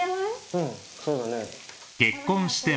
うんそうだね。